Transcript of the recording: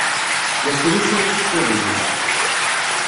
La ttlusuɣ iceṭṭiḍen-iw.